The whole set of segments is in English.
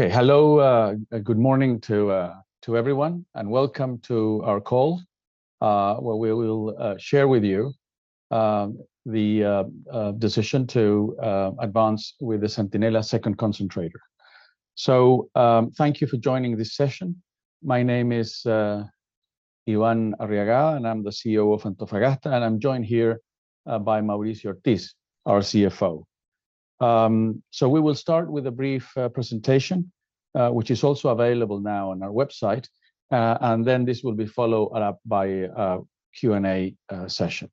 Okay. Hello, good morning to everyone, and welcome to our call, where we will share with you the decision to advance with the Centinela Second Concentrator. So, thank you for joining this session. My name is Iván Arriagada, and I'm the CEO of Antofagasta, and I'm joined here by Mauricio Ortiz, our CFO. So we will start with a brief presentation, which is also available now on our website. And then this will be followed up by a Q&A session.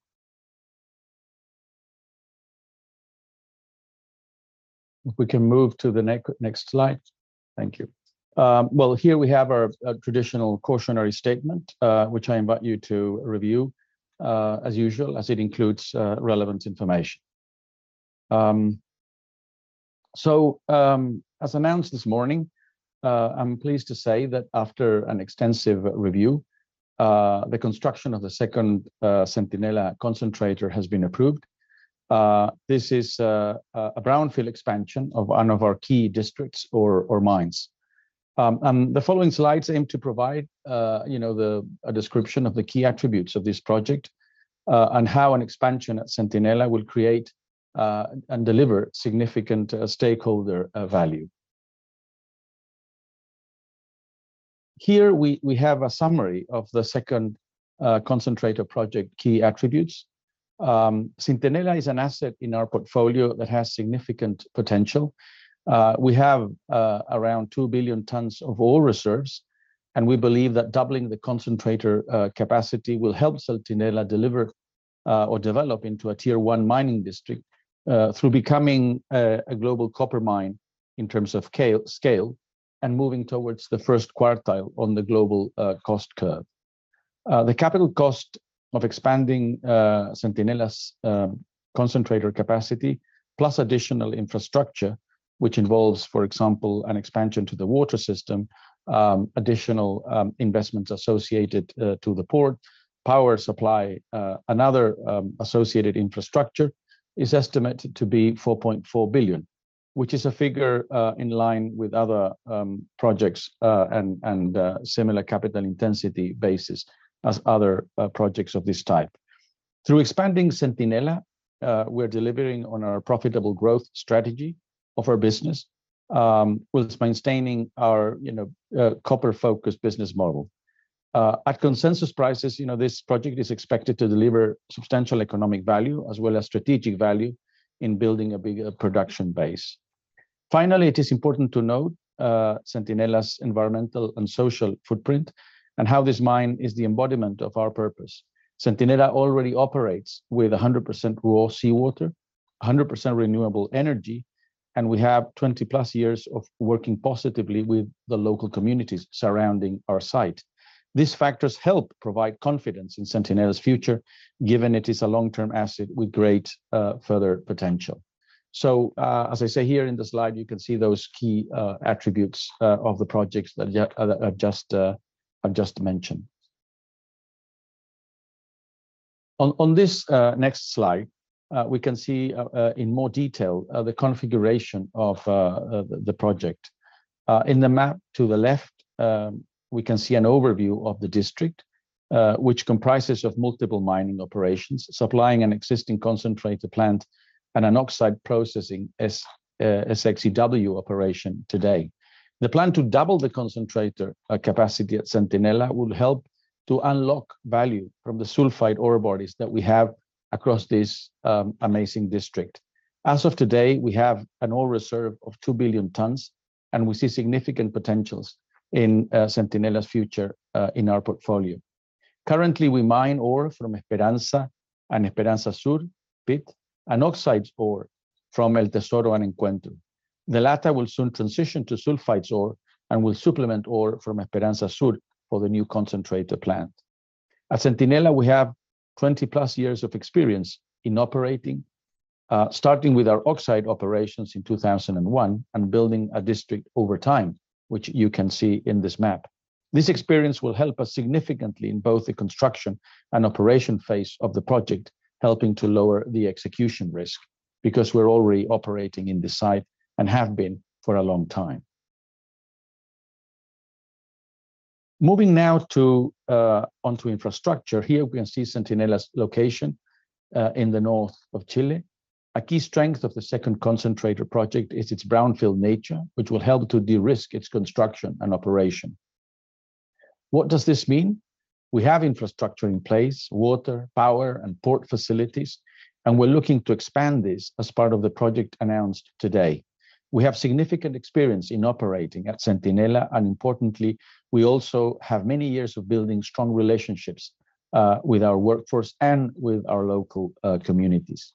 If we can move to the next slide. Thank you. Well, here we have our traditional cautionary statement, which I invite you to review as usual, as it includes relevant information. So, as announced this morning, I'm pleased to say that after an extensive review, the construction of the second Centinela concentrator has been approved. This is a brownfield expansion of one of our key districts or mines. And the following slides aim to provide you know a description of the key attributes of this project, and how an expansion at Centinela will create and deliver significant stakeholder value. Here we have a summary of the second concentrator project key attributes. Centinela is an asset in our portfolio that has significant potential. We have around 2 billion tons of ore reserves, and we believe that doubling the concentrator capacity will help Centinela deliver or develop into a Tier One mining district through becoming a global copper mine in terms of scale, and moving towards the first quartile on the global cost curve. The capital cost of expanding Centinela's concentrator capacity, plus additional infrastructure, which involves, for example, an expansion to the water system, additional investments associated to the port, power supply, and other associated infrastructure, is estimated to be $4.4 billion, which is a figure in line with other projects and similar capital intensity basis as other projects of this type. Through expanding Centinela, we're delivering on our profitable growth strategy of our business, whilst maintaining our, you know, copper-focused business model. At consensus prices, you know, this project is expected to deliver substantial economic value, as well as strategic value in building a bigger production base. Finally, it is important to note, Centinela's environmental and social footprint, and how this mine is the embodiment of our purpose. Centinela already operates with 100% raw seawater, 100% renewable energy, and we have 20+ years of working positively with the local communities surrounding our site. These factors help provide confidence in Centinela's future, given it is a long-term asset with great, further potential. So, as I say here in the slide, you can see those key, attributes, of the projects that I just mentioned. On this next slide, we can see in more detail the configuration of the project. In the map to the left, we can see an overview of the district, which comprises of multiple mining operations, supplying an existing concentrator plant and an oxide processing SX-EW operation today. The plan to double the concentrator capacity at Centinela will help to unlock value from the sulfide ore bodies that we have across this amazing district. As of today, we have an ore reserve of 2 billion tons, and we see significant potentials in Centinela's future in our portfolio. Currently, we mine ore from Esperanza and Esperanza Sur pit, and oxides ore from El Tesoro and Encuentro. The latter will soon transition to sulfides ore and will supplement ore from Esperanza Sur for the new concentrator plant. At Centinela, we have 20+ years of experience in operating, starting with our oxide operations in 2001, and building a district over time, which you can see in this map. This experience will help us significantly in both the construction and operation phase of the project, helping to lower the execution risk, because we're already operating in this site and have been for a long time. Moving now onto infrastructure, here we can see Centinela's location in the north of Chile. A key strength of the second concentrator project is its brownfield nature, which will help to de-risk its construction and operation. What does this mean? We have infrastructure in place: water, power, and port facilities, and we're looking to expand this as part of the project announced today. We have significant experience in operating at Centinela, and importantly, we also have many years of building strong relationships with our workforce and with our local communities.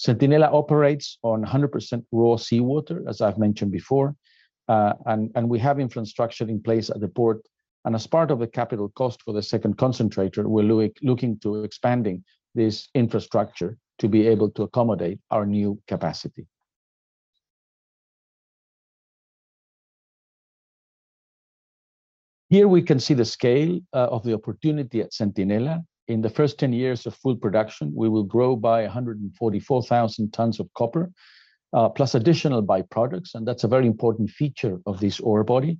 Centinela operates on 100% raw seawater, as I've mentioned before, and we have infrastructure in place at the port. And as part of the capital cost for the second concentrator, we're looking to expanding this infrastructure to be able to accommodate our new capacity. Here we can see the scale of the opportunity at Centinela. In the first 10 years of full production, we will grow by 144,000 tons of copper plus additional byproducts, and that's a very important feature of this ore body.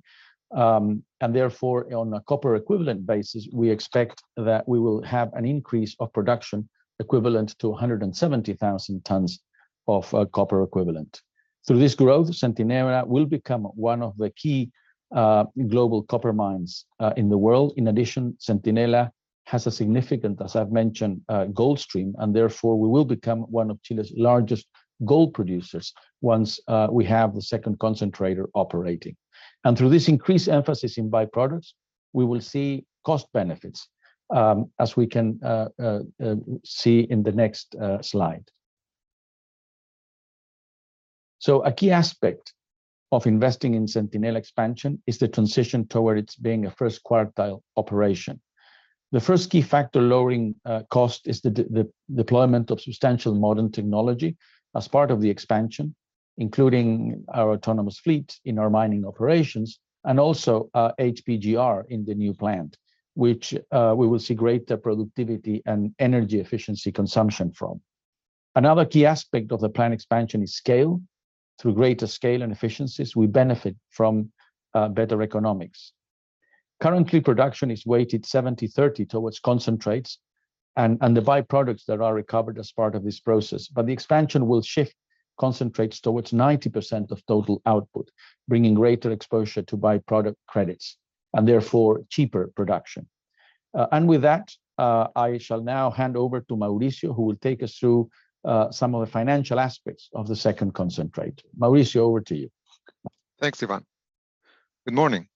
And therefore, on a copper equivalent basis, we expect that we will have an increase of production equivalent to 170,000 tons of copper equivalent. Through this growth, Centinela will become one of the key global copper mines in the world. In addition, Centinela has a significant, as I've mentioned, gold stream, and therefore, we will become one of Chile's largest gold producers once we have the second concentrator operating. Through this increased emphasis in byproducts, we will see cost benefits, as we can see in the next slide. A key aspect of investing in Centinela expansion is the transition towards being a first quartile operation. The first key factor lowering cost is the deployment of substantial modern technology as part of the expansion, including our autonomous fleet in our mining operations, and also, HPGR in the new plant, which we will see greater productivity and energy efficiency consumption from. Another key aspect of the plant expansion is scale. Through greater scale and efficiencies, we benefit from better economics. Currently, production is weighted 70/30 towards concentrates and the byproducts that are recovered as part of this process. But the expansion will shift concentrates towards 90% of total output, bringing greater exposure to byproduct credits, and therefore, cheaper production. With that, I shall now hand over to Mauricio, who will take us through some of the financial aspects of the second concentrator. Mauricio, over to you. Thanks, Iván. Good morning.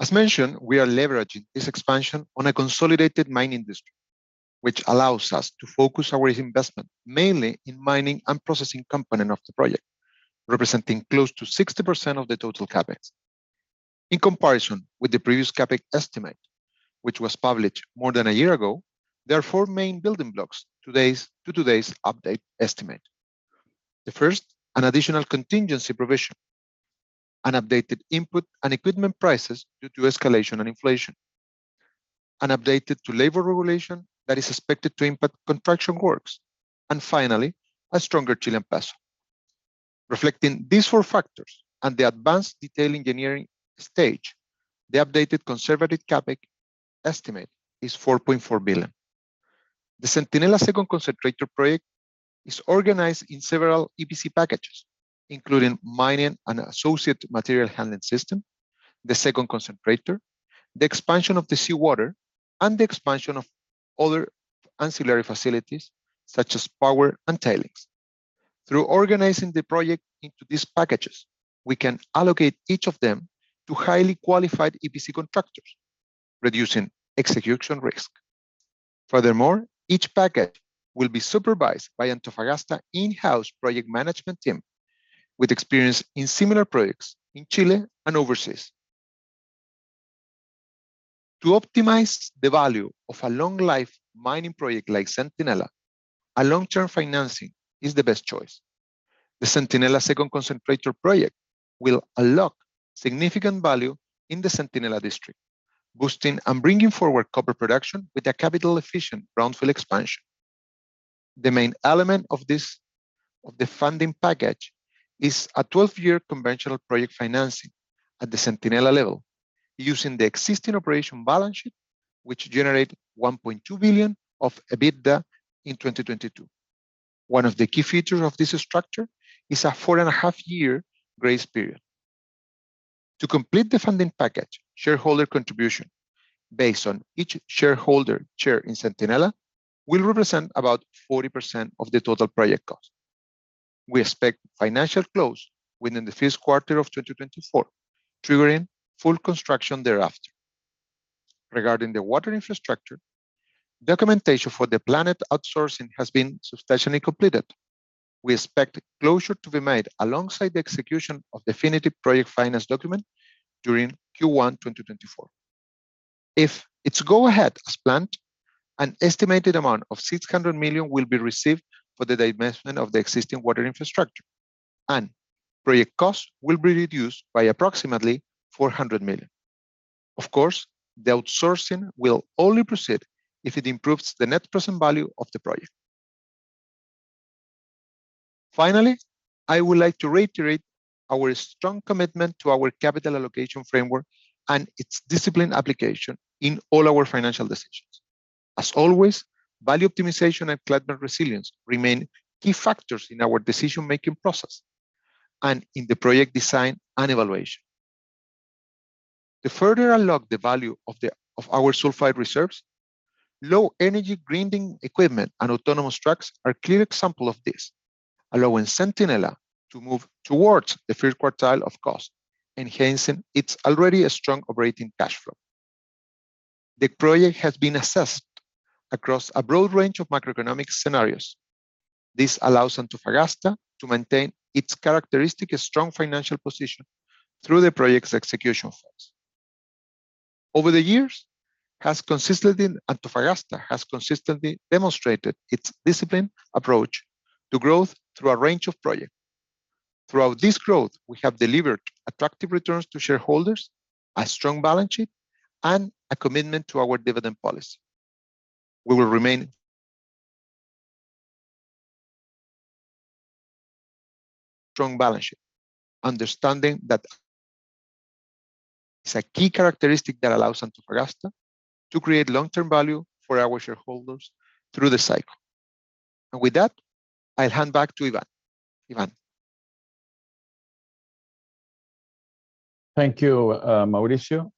As mentioned, we are leveraging this expansion on a consolidated mining industry, which allows us to focus our investment mainly in mining and processing component of the project, representing close to 60% of the total CapEx. In comparison with the previous CapEx estimate, which was published more than a year ago, there are four main building blocks to today's update estimate. The first, an additional contingency provision, an updated input and equipment prices due to escalation and inflation, an update to labor regulation that is expected to impact construction works, and finally, a stronger Chilean peso. Reflecting these four factors and the advanced detailed engineering stage, the updated conservative CapEx estimate is $4.4 billion. The Centinela Second Concentrator Project is organized in several EPC packages, including mining and associated material handling system, the second concentrator, the expansion of the seawater, and the expansion of other ancillary facilities such as power and tailings. Through organizing the project into these packages, we can allocate each of them to highly qualified EPC contractors, reducing execution risk. Furthermore, each package will be supervised by Antofagasta in-house project management team, with experience in similar projects in Chile and overseas. To optimize the value of a long-life mining project like Centinela, a long-term financing is the best choice. The Centinela Second Concentrator Project will unlock significant value in the Centinela district, boosting and bringing forward copper production with a capital-efficient brownfield expansion. The main element of this, of the funding package is a 12-year conventional project financing at the Centinela level, using the existing operation balance sheet, which generated $1.2 billion of EBITDA in 2022. One of the key features of this structure is a 4.5-year grace period. To complete the funding package, shareholder contribution based on each shareholder share in Centinela, will represent about 40% of the total project cost. We expect financial close within the first quarter of 2024, triggering full construction thereafter. Regarding the water infrastructure, documentation for the plant outsourcing has been substantially completed. We expect closure to be made alongside the execution of definitive project finance document during Q1 2024. If it's go-ahead as planned, an estimated amount of $600 million will be received for the divestment of the existing water infrastructure, and project costs will be reduced by approximately $400 million. Of course, the outsourcing will only proceed if it improves the net present value of the project. Finally, I would like to reiterate our strong commitment to our capital allocation framework and its discipline application in all our financial decisions. As always, value optimization and climate resilience remain key factors in our decision-making process and in the project design and evaluation. To further unlock the value of our sulfide reserves, low energy grinding equipment and autonomous trucks are clear example of this, allowing Centinela to move towards the first quartile of cost, enhancing its already a strong operating cash flow. The project has been assessed across a broad range of macroeconomic scenarios. This allows Antofagasta to maintain its characteristic strong financial position through the project's execution phase. Over the years, Antofagasta has consistently demonstrated its disciplined approach to growth through a range of projects. Throughout this growth, we have delivered attractive returns to shareholders, a strong balance sheet, and a commitment to our dividend policy. We will remain strong balance sheet, understanding that it's a key characteristic that allows Antofagasta to create long-term value for our shareholders through the cycle. With that, I'll hand back to Iván. Iván? Thank you, Mauricio.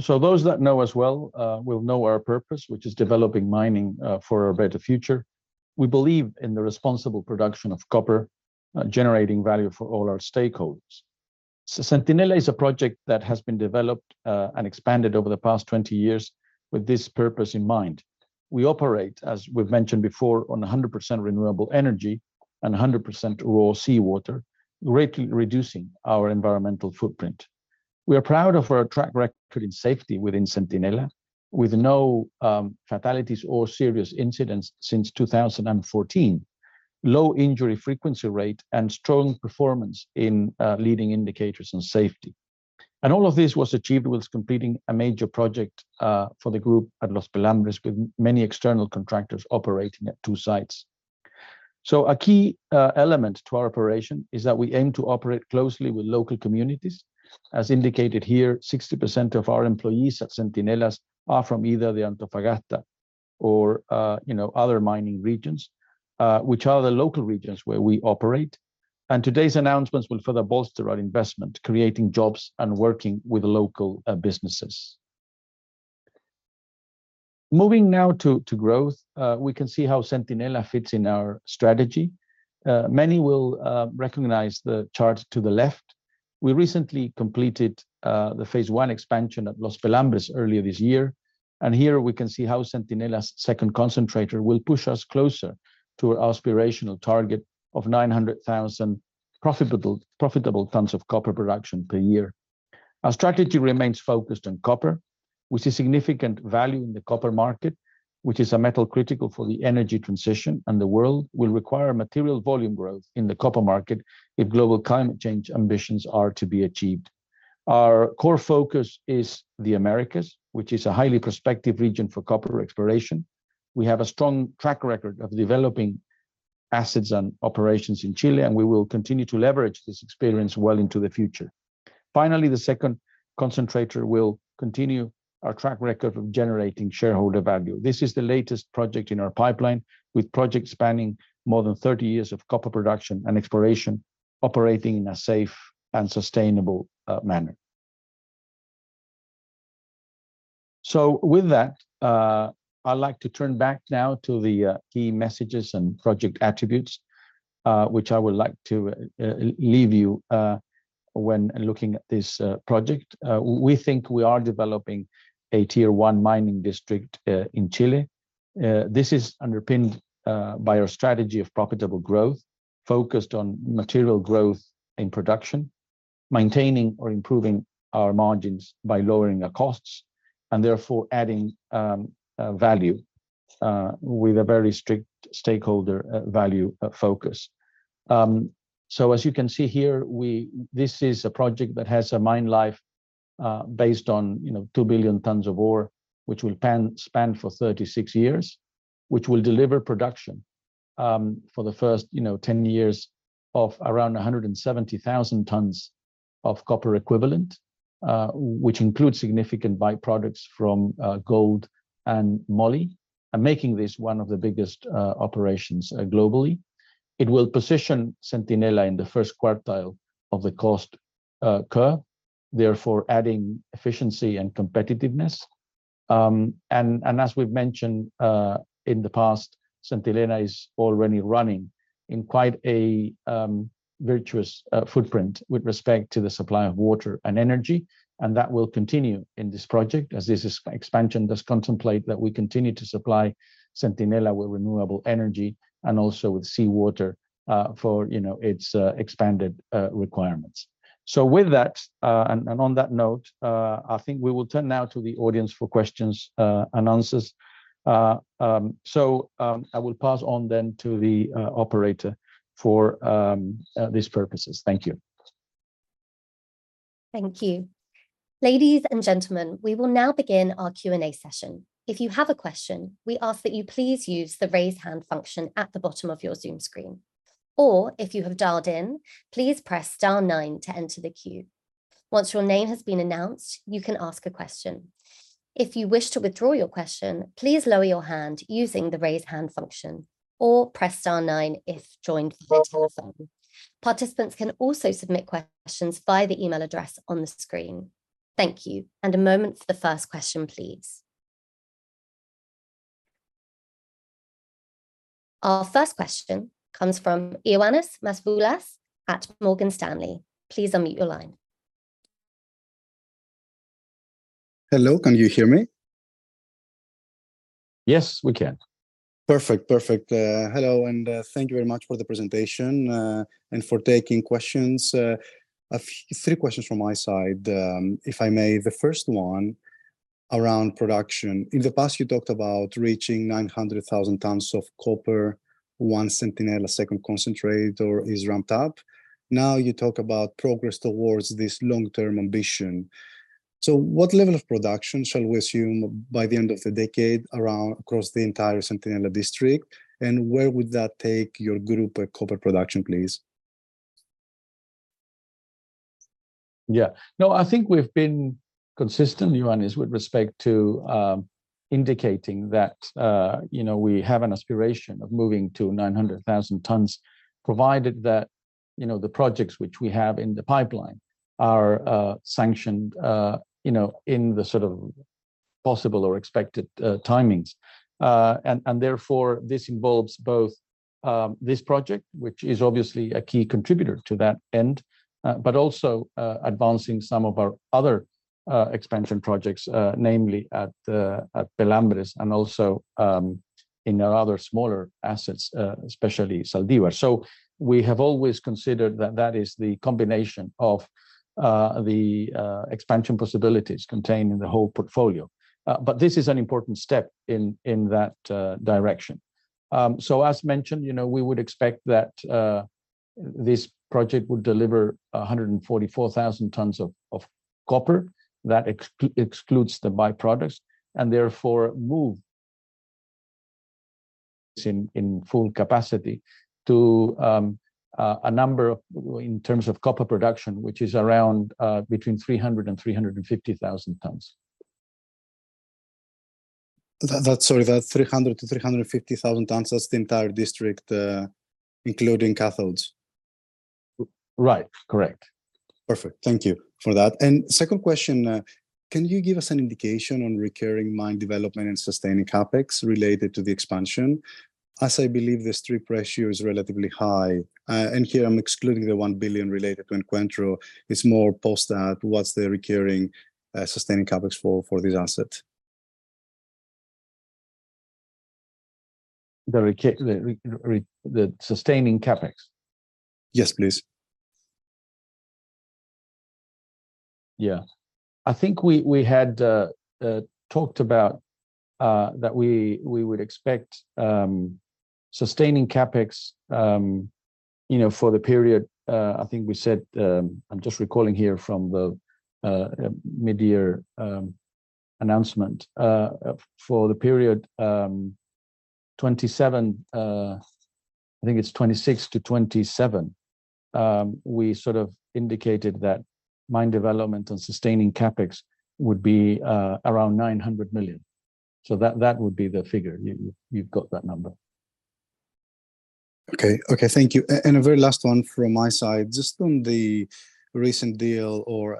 So those that know us well will know our purpose, which is developing mining for a better future. We believe in the responsible production of copper, generating value for all our stakeholders. So Centinela is a project that has been developed and expanded over the past 20 years with this purpose in mind. We operate, as we've mentioned before, on 100% renewable energy and 100% raw seawater, greatly reducing our environmental footprint. We are proud of our track record in safety within Centinela, with no fatalities or serious incidents since 2014. Low injury frequency rate and strong performance in leading indicators on safety. And all of this was achieved while completing a major project for the group at Los Pelambres, with many external contractors operating at 2 sites. A key element to our operation is that we aim to operate closely with local communities. As indicated here, 60% of our employees at Centinela are from either the Antofagasta or, you know, other mining regions, which are the local regions where we operate. Today's announcements will further bolster our investment, creating jobs and working with local businesses. Moving now to growth, we can see how Centinela fits in our strategy. Many will recognize the chart to the left. We recently completed the phase one expansion at Los Pelambres earlier this year, and here we can see how Centinela's second concentrator will push us closer to our aspirational target of 900,000 profitable tons of copper production per year. Our strategy remains focused on copper, with a significant value in the copper market, which is a metal critical for the energy transition, and the world will require material volume growth in the copper market if global climate change ambitions are to be achieved. Our core focus is the Americas, which is a highly prospective region for copper exploration. We have a strong track record of developing assets and operations in Chile, and we will continue to leverage this experience well into the future. Finally, the second concentrator will continue our track record of generating shareholder value. This is the latest project in our pipeline, with projects spanning more than 30 years of copper production and exploration, operating in a safe and sustainable manner. So with that, I'd like to turn back now to the key messages and project attributes, which I would like to leave you when looking at this project. We think we are developing a Tier One mining district in Chile. This is underpinned by our strategy of profitable growth, focused on material growth in production, maintaining or improving our margins by lowering our costs, and therefore adding value with a very strict stakeholder value focus. So as you can see here, this is a project that has a mine life, based on, you know, 2 billion tons of ore, which will span for 36 years, which will deliver production, for the first, you know, 10 years of around 170,000 tons of copper equivalent, which includes significant byproducts from, gold and moly, and making this one of the biggest, operations, globally. It will position Centinela in the first quartile of the cost curve therefore adding efficiency and competitiveness. As we've mentioned in the past, Centinela is already running in quite a virtuous footprint with respect to the supply of water and energy, and that will continue in this project, as this expansion does contemplate that we continue to supply Centinela with renewable energy and also with seawater, for you know, its expanded requirements. So with that, and on that note, I think we will turn now to the audience for questions and answers. So I will pass on then to the operator for these purposes. Thank you. Thank you. Ladies and gentlemen, we will now begin our Q&A session. If you have a question, we ask that you please use the Raise Hand function at the bottom of your Zoom screen. Or if you have dialed in, please press star nine to enter the queue. Once your name has been announced, you can ask a question. If you wish to withdraw your question, please lower your hand using the Raise Hand function or press star nine if joined by phone. Participants can also submit questions by the email address on the screen. Thank you, and a moment for the first question, please. Our first question comes from Ioannis Masvoulas at Morgan Stanley. Please unmute your line. Hello, can you hear me? Yes, we can. Perfect. Perfect. Hello, and thank you very much for the presentation, and for taking questions. Three questions from my side, if I may. The first one- Around production. In the past, you talked about reaching 900,000 tons of copper, once Centinela Second Concentrator is ramped up. Now you talk about progress towards this long-term ambition. So what level of production shall we assume by the end of the decade around, across the entire Centinela district, and where would that take your group copper production, please? Yeah. No, I think we've been consistent, Ioannis, with respect to indicating that, you know, we have an aspiration of moving to 900,000 tons, provided that, you know, the projects which we have in the pipeline are sanctioned, you know, in the sort of possible or expected timings. And therefore, this involves both this project, which is obviously a key contributor to that end, but also advancing some of our other expansion projects, namely at Pelambres and also in our other smaller assets, especially Zaldívar. So we have always considered that that is the combination of the expansion possibilities contained in the whole portfolio. But this is an important step in that direction. So as mentioned, you know, we would expect that this project would deliver 144,000 tons of copper. That excludes the byproducts, and therefore move in full capacity to a number of, in terms of copper production, which is around between 300,000 and 350,000 tons. Sorry, that 300-350,000 tons, that's the entire district, including cathodes? Right. Correct. Perfect. Thank you for that. Second question: can you give us an indication on recurring mine development and sustaining CapEx related to the expansion? As I believe the strip ratio is relatively high, and here I'm excluding the $1 billion related to Encuentro. It's more post that, what's the recurring sustaining CapEx for this asset? The sustaining CapEx? Yes, please. Yeah. I think we, we had talked about that we, we would expect sustaining CapEx, you know, for the period. I think we said, I'm just recalling here from the mid-year announcement. For the period 2027, I think it's 2026-2027, we sort of indicated that mine development and sustaining CapEx would be around $900 million. So that would be the figure. You, you've got that number. Okay. Okay, thank you. And a very last one from my side. Just on the recent deal or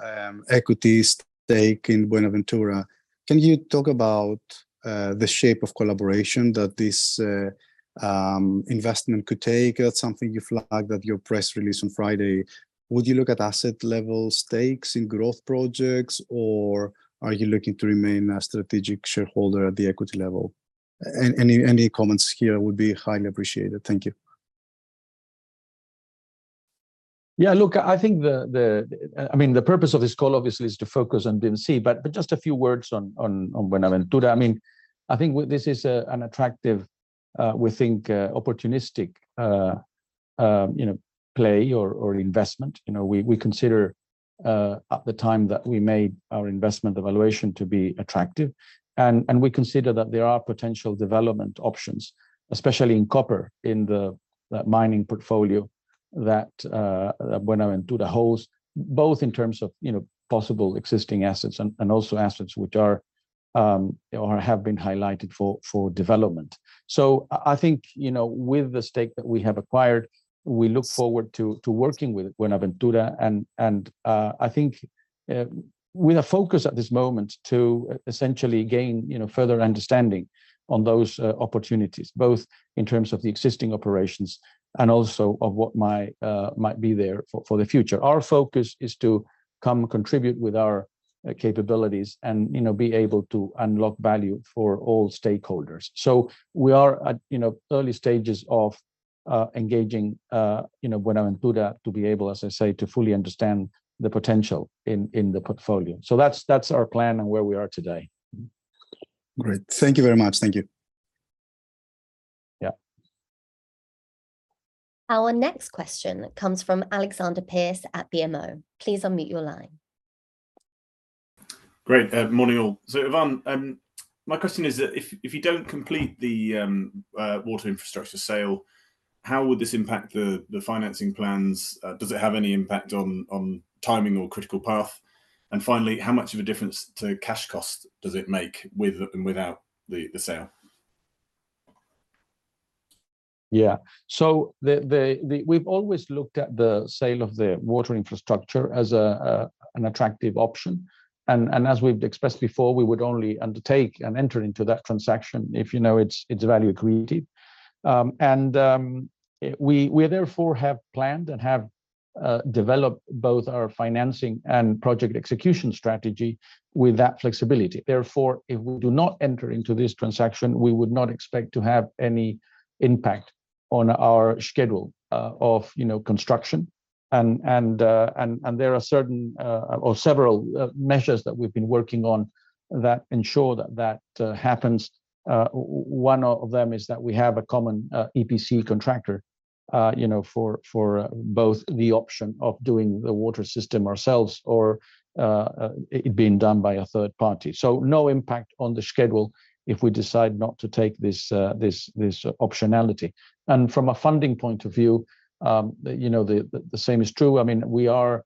equity stake in Buenaventura, can you talk about the shape of collaboration that this investment could take? That's something you flagged at your press release on Friday. Would you look at asset-level stakes in growth projects, or are you looking to remain a strategic shareholder at the equity level? Any comments here would be highly appreciated. Thank you. Yeah, look, I think the, I mean, the purpose of this call obviously is to focus on DMC, but just a few words on Buenaventura. I mean, I think this is an attractive, we think, opportunistic, you know, play or investment. You know, we consider at the time that we made our investment evaluation to be attractive, and we consider that there are potential development options, especially in copper, in the mining portfolio that Buenaventura holds, both in terms of, you know, possible existing assets and also assets which are or have been highlighted for development. So I think, you know, with the stake that we have acquired, we look forward to working with Buenaventura, and I think with a focus at this moment to essentially gain, you know, further understanding on those opportunities, both in terms of the existing operations and also of what might be there for the future. Our focus is to come contribute with our capabilities and, you know, be able to unlock value for all stakeholders. So we are at, you know, early stages of engaging, you know, Buenaventura to be able, as I say, to fully understand the potential in the portfolio. So that's our plan and where we are today. Great. Thank you very much. Thank you. Yeah. Our next question comes from Alexander Pearce at BMO. Please unmute your line. Great. Morning, all. So, Iván, my question is that if you don't complete the water infrastructure sale, how would this impact the financing plans? Does it have any impact on timing or critical path? And finally, how much of a difference to cash cost does it make with and without the sale? Yeah. So we've always looked at the sale of the water infrastructure as an attractive option. And as we've expressed before, we would only undertake and enter into that transaction if, you know, it's value accretive. We therefore have planned and have developed both our financing and project execution strategy with that flexibility. Therefore, if we do not enter into this transaction, we would not expect to have any impact on our schedule of, you know, construction. And there are certain or several measures that we've been working on that ensure that that happens. One of them is that we have a common EPC contractor, you know, for both the option of doing the water system ourselves or it being done by a third party. So no impact on the schedule if we decide not to take this optionality. And from a funding point of view, you know, the same is true. I mean, we are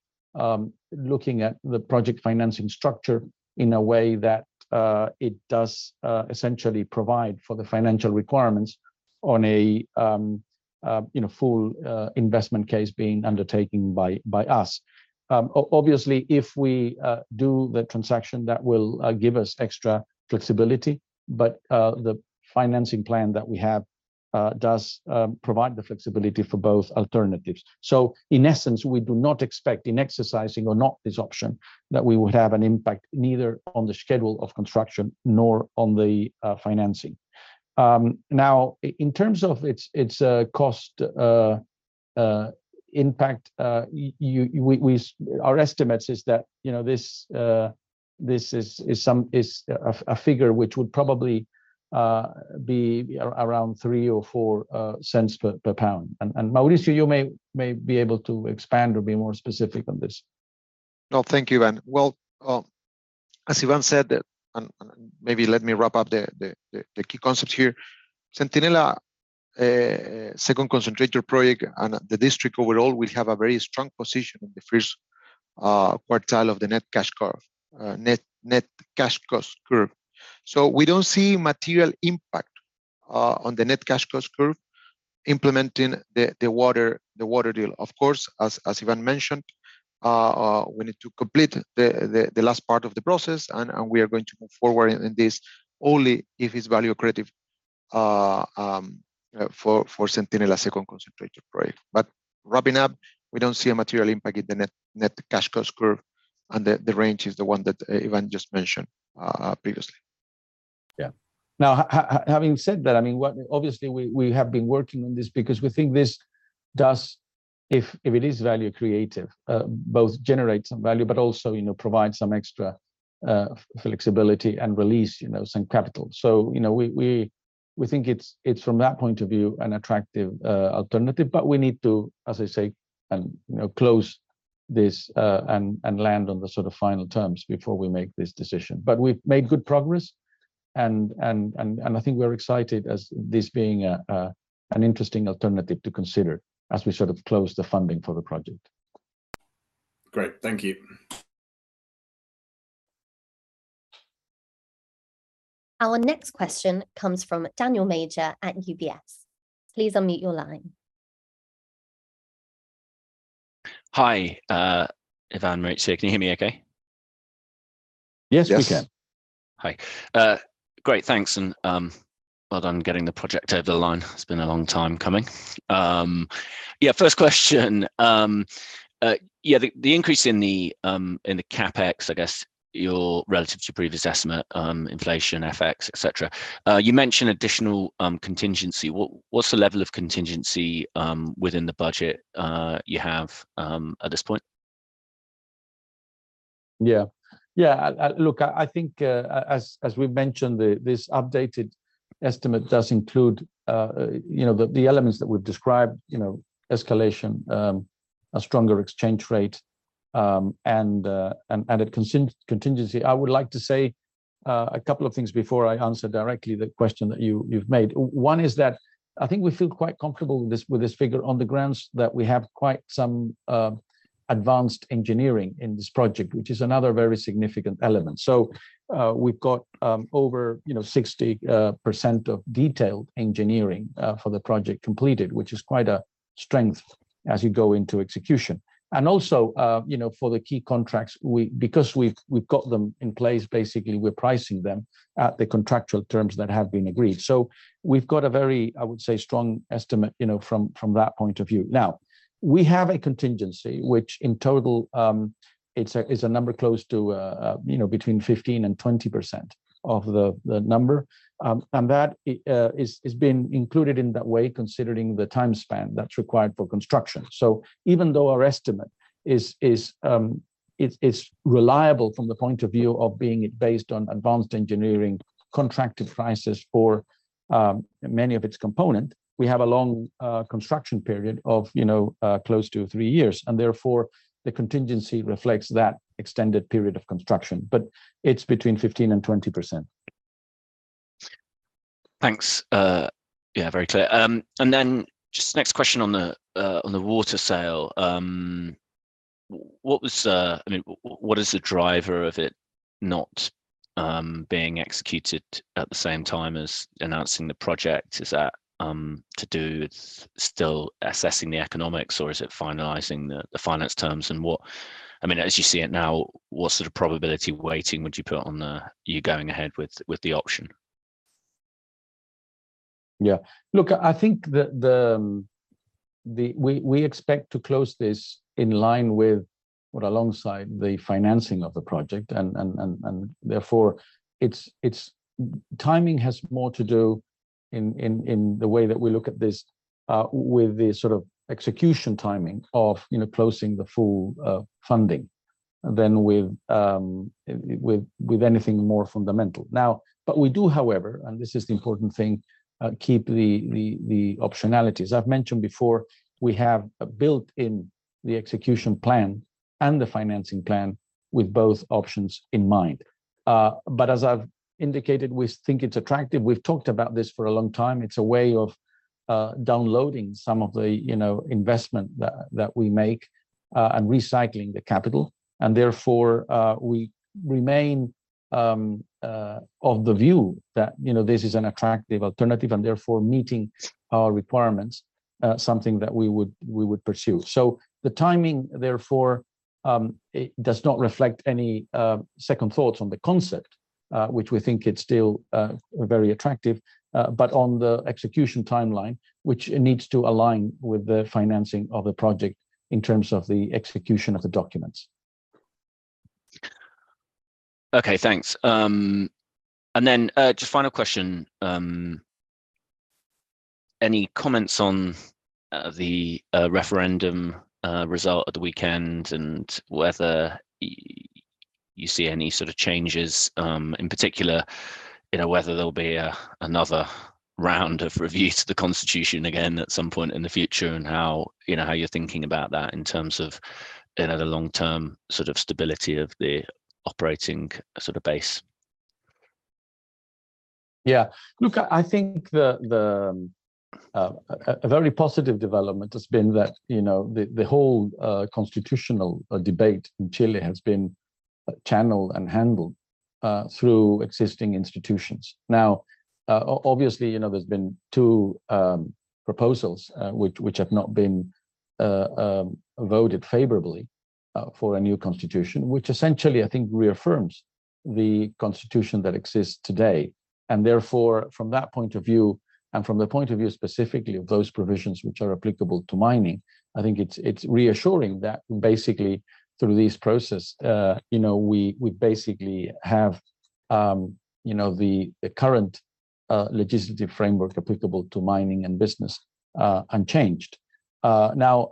looking at the project financing structure in a way that it does essentially provide for the financial requirements on a full investment case being undertaken by us. Obviously, if we do the transaction, that will give us extra flexibility, but the financing plan that we have does provide the flexibility for both alternatives. So in essence, we do not expect, in exercising or not this option, that we would have an impact neither on the schedule of construction nor on the financing. Now, in terms of its cost impact, our estimates is that, you know, this is a figure which would probably be around $0.03-$0.04 per pound. And Mauricio, you may be able to expand or be more specific on this. No, thank you, Iván. Well, as Iván said, maybe let me wrap up the key concepts here. Centinela Second Concentrator project and the district overall, we have a very strong position in the first quartile of the net cash cost curve. So we don't see material impact on the net cash cost curve implementing the water deal. Of course, as Iván mentioned, we need to complete the last part of the process, and we are going to move forward in this only if it's value accretive for Centinela Second Concentrator project. But wrapping up, we don't see a material impact in the net cash cost curve, and the range is the one that Iván just mentioned previously. Yeah. Now, having said that, I mean, what obviously, we have been working on this because we think this does, if it is value accretive, both generate some value, but also, you know, provide some extra flexibility and release, you know, some capital. So, you know, we think it's from that point of view, an attractive alternative, but we need to, as I say, and, you know, close this, and land on the sort of final terms before we make this decision. But we've made good progress, and I think we're excited as this being an interesting alternative to consider as we sort of close the funding for the project. Great. Thank you. Our next question comes from Daniel Major at UBS. Please unmute your line. Hi, Iván, Mauricio. Can you hear me okay? Yes, we can. Yes. Hi. Great, thanks, and well done getting the project over the line. It's been a long time coming. First question, the increase in the CapEx, I guess, your relative to previous estimate, inflation, FX, et cetera. You mentioned additional contingency. What’s the level of contingency within the budget you have at this point? Yeah, yeah. Look, I think, as we've mentioned, this updated estimate does include, you know, the elements that we've described, you know, escalation, a stronger exchange rate, and a contingency. I would like to say a couple of things before I answer directly the question that you've made. One is that I think we feel quite comfortable with this figure on the grounds that we have quite some advanced engineering in this project, which is another very significant element. So, we've got over, you know, 60% of detailed engineering for the project completed, which is quite a strength as you go into execution. Also, you know, for the key contracts, we, because we've got them in place, basically, we're pricing them at the contractual terms that have been agreed. So we've got a very, I would say, strong estimate, you know, from that point of view. Now, we have a contingency, which in total, it's a number close to, you know, between 15% and 20% of the number. And that is being included in that way, considering the time span that's required for construction. So even though our estimate is reliable from the point of view of being based on advanced engineering, contracted prices for many of its component, we have a long construction period of, you know, close to three years, and therefore, the contingency reflects that extended period of construction, but it's between 15% and 20%. Thanks. Yeah, very clear. And then just next question on the water sale. I mean, what is the driver of it not being executed at the same time as announcing the project? Is that to do with still assessing the economics, or is it finalizing the finance terms? And I mean, as you see it now, what sort of probability weighting would you put on you going ahead with the option? Yeah. Look, I think we expect to close this in line with or alongside the financing of the project, and therefore, its timing has more to do in the way that we look at this, with the sort of execution timing of, you know, closing the full funding than with anything more fundamental. Now, but we do, however, and this is the important thing, keep the optionalities. I've mentioned before, we have built in the execution plan and the financing plan with both options in mind. But as I've indicated, we think it's attractive. We've talked about this for a long time. It's a way of downloading some of the, you know, investment that we make, and recycling the capital. And therefore, we remain of the view that, you know, this is an attractive alternative, and therefore meeting our requirements, something that we would, we would pursue. So the timing, therefore, it does not reflect any second thoughts on the concept, which we think it's still very attractive, but on the execution timeline, which it needs to align with the financing of the project in terms of the execution of the documents. Okay, thanks. And then, just final question. Any comments on the referendum result at the weekend and whether you see any sort of changes, in particular, you know, whether there'll be another round of review to the Constitution again at some point in the future, and how, you know, how you're thinking about that in terms of, you know, the long-term sort of stability of the operating sort of base? Yeah. Look, I think a very positive development has been that, you know, the whole constitutional debate in Chile has been channeled and handled through existing institutions. Now, obviously, you know, there's been two proposals which have not been voted favorably for a new constitution, which essentially, I think, reaffirms the constitution that exists today. And therefore, from that point of view, and from the point of view, specifically of those provisions which are applicable to mining, I think it's reassuring that basically through this process, you know, we basically have, you know, the current legislative framework applicable to mining and business unchanged. Now,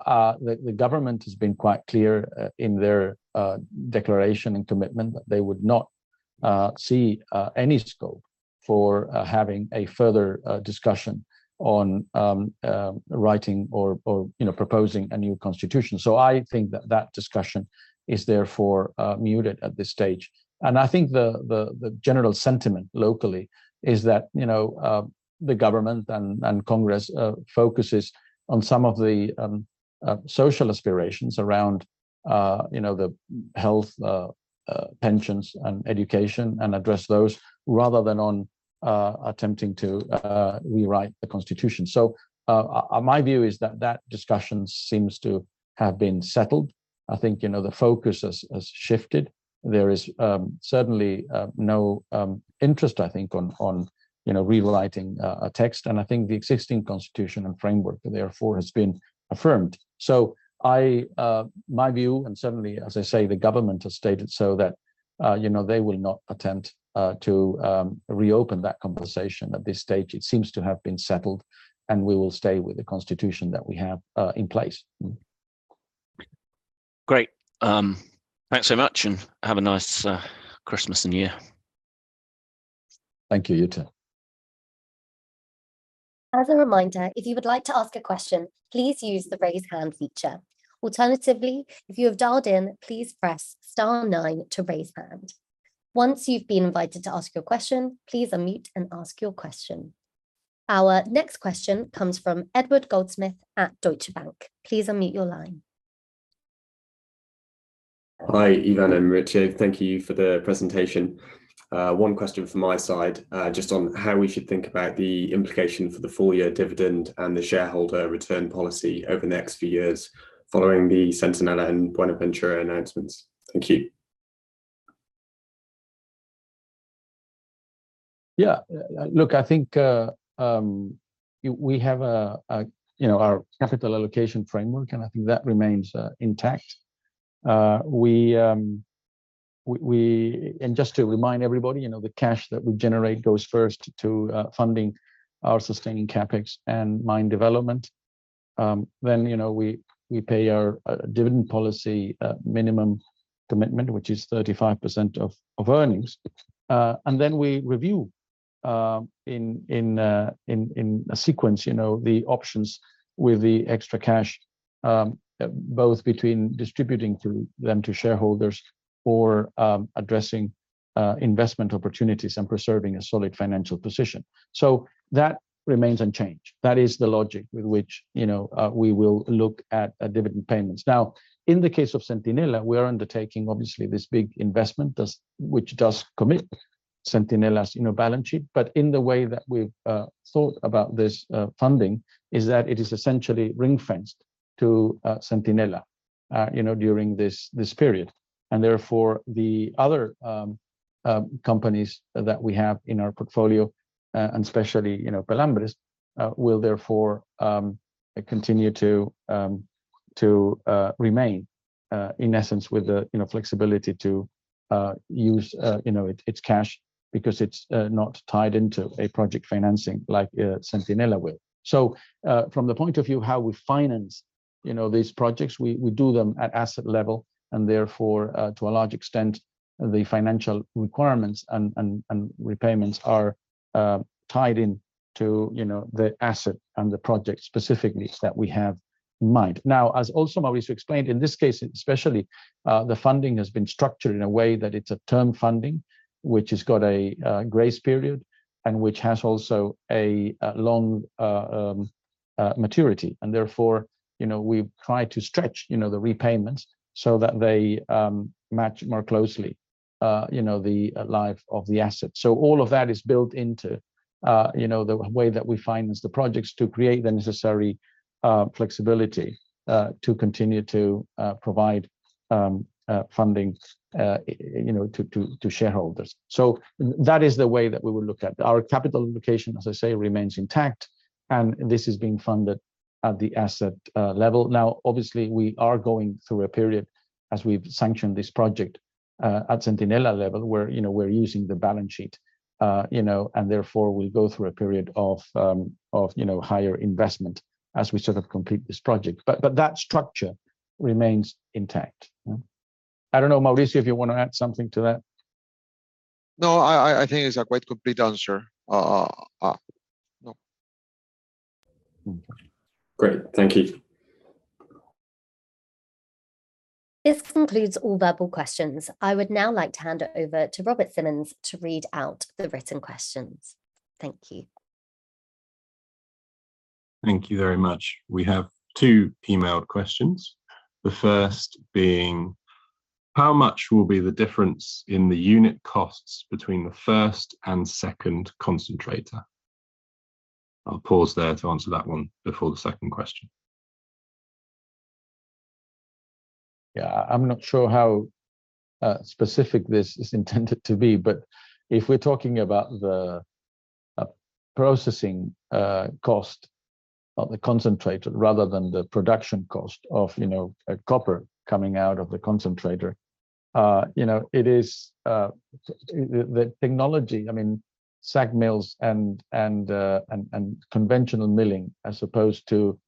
the government has been quite clear in their declaration and commitment that they would not see any scope for having a further discussion on writing or, you know, proposing a new constitution. So I think that that discussion is therefore muted at this stage. And I think the general sentiment locally is that, you know, the government and Congress focuses on some of the social aspirations around, you know, the health, pensions and education, and address those rather than on attempting to rewrite the Constitution. So, my view is that that discussion seems to have been settled. I think, you know, the focus has shifted. There is certainly no interest, I think, on, on, you know, rewriting a text, and I think the existing constitution and framework, therefore, has been affirmed. So I my view, and certainly, as I say, the government has stated so that you know, they will not attempt to reopen that conversation at this stage. It seems to have been settled, and we will stay with the constitution that we have in place. Great. Thanks so much, and have a nice Christmas and New Year. Thank you. You, too. As a reminder, if you would like to ask a question, please use the Raise Hand feature. Alternatively, if you have dialed in, please press star nine to raise hand. Once you've been invited to ask your question, please unmute and ask your question. Our next question comes from Edward Goldsmith at Deutsche Bank. Please unmute your line. Hi, Iván and Mauricio. Thank you for the presentation. One question from my side, just on how we should think about the implication for the full year dividend and the shareholder return policy over the next few years following the Centinela and Buenaventura announcements. Thank you. Yeah. Look, I think, we have a, you know, our capital allocation framework, and I think that remains intact. And just to remind everybody, you know, the cash that we generate goes first to funding our sustaining CapEx and mine development. Then, you know, we pay our dividend policy minimum commitment, which is 35% of earnings. And then we review in a sequence, you know, the options with the extra cash, both between distributing through them to shareholders or addressing investment opportunities and preserving a solid financial position. So that remains unchanged. That is the logic with which, you know, we will look at dividend payments. Now, in the case of Centinela, we are undertaking, obviously, this big investment, which does commit Centinela's, you know, balance sheet. But in the way that we've thought about this funding, is that it is essentially ring-fenced to Centinela, you know, during this period. And therefore, the other companies that we have in our portfolio, and especially, you know, Pelambres, will therefore continue to remain, in essence with the, you know, flexibility to use, you know, its cash because it's not tied into a project financing like Centinela will. From the point of view how we finance, you know, these projects, we do them at asset level, and therefore, to a large extent, the financial requirements and repayments are tied in to, you know, the asset and the project specifically that we have in mind. Now, as also Mauricio explained, in this case, especially, the funding has been structured in a way that it's a term funding, which has got a grace period and which has also a long maturity. Therefore, you know, we try to stretch, you know, the repayments so that they match more closely, you know, the life of the asset. So all of that is built into, you know, the way that we finance the projects to create the necessary flexibility to continue to provide funding, you know, to shareholders. So that is the way that we will look at. Our capital allocation, as I say, remains intact, and this is being funded at the asset level. Now, obviously, we are going through a period as we've sanctioned this project at Centinela level, where, you know, we're using the balance sheet, you know, and therefore we go through a period of higher investment as we sort of complete this project. But that structure remains intact. I don't know, Mauricio, if you want to add something to that. No, I think it's a quite complete answer. No. Great, thank you. This concludes all verbal questions. I would now like to hand it over to Robert Simmons to read out the written questions. Thank you. Thank you very much. We have two emailed questions. The first being: How much will be the difference in the unit costs between the first and second concentrator? I'll pause there to answer that one before the second question. Yeah, I'm not sure how specific this is intended to be, but if we're talking about the processing cost of the concentrator rather than the production cost of, you know, a copper coming out of the concentrator, you know, it is the technology, I mean, SAG mills and conventional milling, as opposed to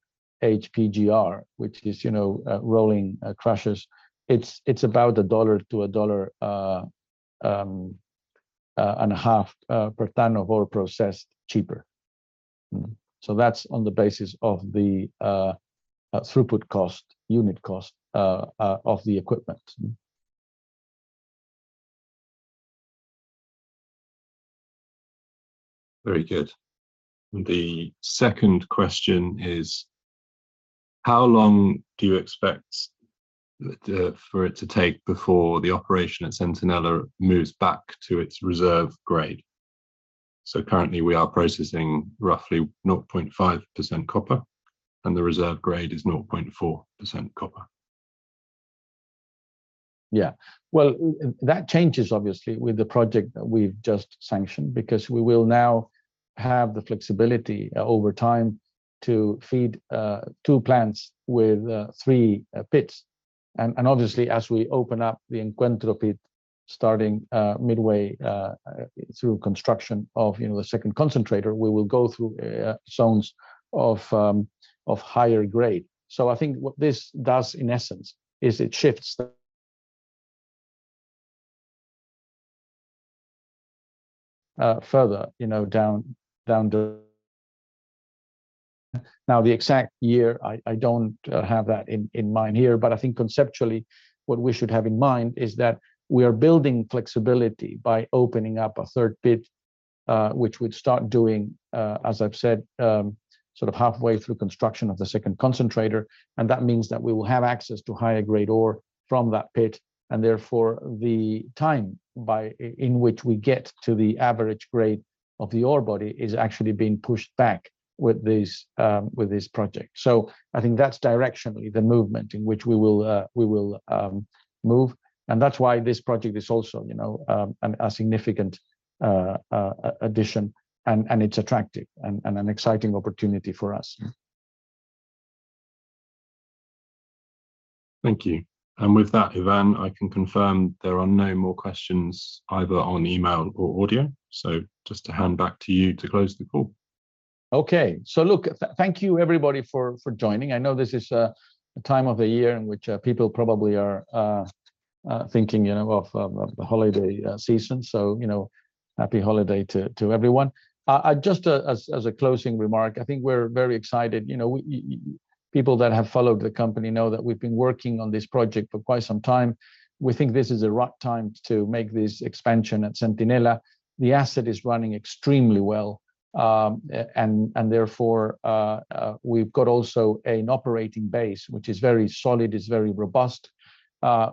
HPGR, which is, you know, rolling crushers. It's about $1-$1.50 per ton of ore processed cheaper. So that's on the basis of the throughput cost, unit cost of the equipment. Very good. The second question is: How long do you expect for it to take before the operation at Centinela moves back to its reserve grade? So currently we are processing roughly 0.5% copper, and the reserve grade is 0.4% copper. Yeah. Well, that changes, obviously, with the project that we've just sanctioned, because we will now have the flexibility over time to feed two plants with three pits. And obviously, as we open up the Encuentro pit, starting midway through construction of, you know, the second concentrator, we will go through zones of higher grade. So I think what this does, in essence, is it shifts further, you know, down, down the, now, the exact year, I don't have that in mind here, but I think conceptually, what we should have in mind is that we are building flexibility by opening up a third pit, which we start doing, as I've said, sort of halfway through construction of the second concentrator. That means that we will have access to higher-grade ore from that pit, and therefore, the time by which we get to the average grade of the ore body is actually being pushed back with this project. So I think that's directionally the movement in which we will move, and that's why this project is also, you know, a significant addition, and it's attractive and an exciting opportunity for us. Thank you. And with that, Iván, I can confirm there are no more questions, either on email or audio. So just to hand back to you to close the call. Okay. So look, thank you everybody for joining. I know this is a time of the year in which people probably are thinking, you know, of the holiday season. So, you know, happy holiday to everyone. Just as a closing remark, I think we're very excited. You know, people that have followed the company know that we've been working on this project for quite some time. We think this is the right time to make this expansion at Centinela. The asset is running extremely well, and therefore we've got also an operating base, which is very solid, is very robust.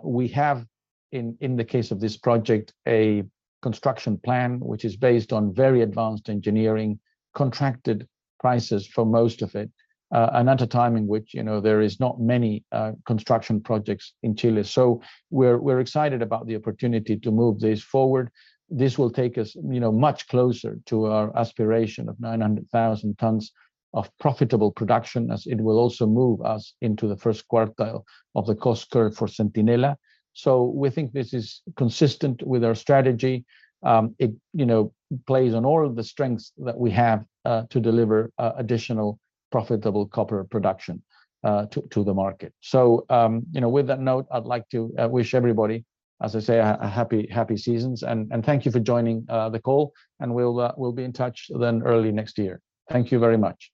We have, in the case of this project, a construction plan, which is based on very advanced engineering, contracted prices for most of it, and at a time in which, you know, there is not many construction projects in Chile. So we're excited about the opportunity to move this forward. This will take us, you know, much closer to our aspiration of 900,000 tons of profitable production, as it will also move us into the first quartile of the cost curve for Centinela. So we think this is consistent with our strategy. It, you know, plays on all of the strengths that we have to deliver additional profitable copper production to the market. So, you know, with that note, I'd like to wish everybody, as I say, a happy, happy seasons. Thank you for joining the call, and we'll be in touch then early next year. Thank you very much.